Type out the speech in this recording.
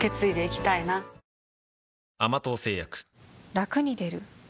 ラクに出る？